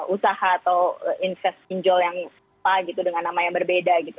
usaha atau investinjol yang sama gitu dengan nama yang berbeda gitu